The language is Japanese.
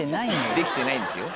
できてないですよ。